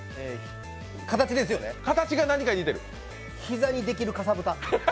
膝にできるかさぶた。